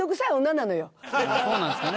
そうなんですかね？